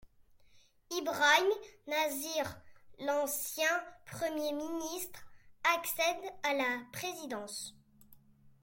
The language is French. Ibrahim Nasir, l'ancien premier ministre, accède à la présidence.